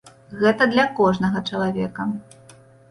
Гэта для кожнага чалавека.